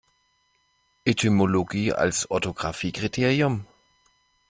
Etymologie als Orthographiekriterium?